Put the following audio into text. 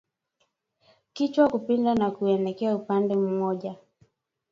Kichwa kupinda na kuelekea upande mmoja